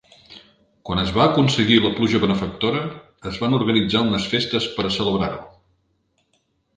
Quan es va aconseguir la pluja benefactora es van organitzar unes festes per a celebrar-ho.